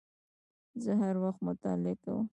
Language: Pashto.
زه هر وخت مطالعه کوم